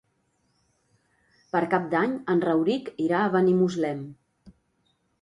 Per Cap d'Any en Rauric irà a Benimuslem.